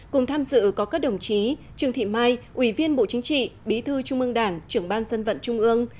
cùng tham dự có các đồng chí trương thị mai ủy viên bộ chính trị bí thư trung ương đảng trưởng ban dân vận trung ương